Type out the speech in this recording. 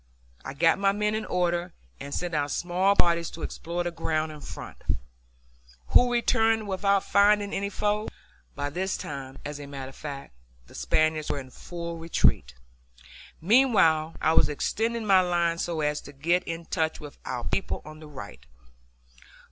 I got my men in order and sent out small parties to explore the ground in front, who returned without finding any foe. (By this time, as a matter of fact, the Spaniards were in full retreat.) Meanwhile I was extending my line so as to get into touch with our people on the right.